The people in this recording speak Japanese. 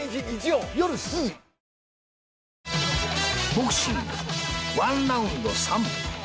ボクシング１ラウンド３分。